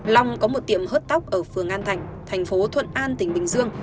long có một tiệm hớt tóc ở phường an thành thành phố thuận an tỉnh bình dương